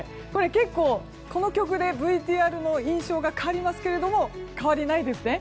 結構、この曲でＶＴＲの印象が変わりますが変わりないですね？